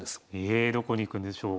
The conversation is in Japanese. えどこに行くんでしょう。